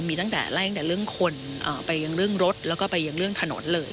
มีตั้งแต่ไล่ตั้งแต่เรื่องคนไปยังเรื่องรถแล้วก็ไปยังเรื่องถนนเลย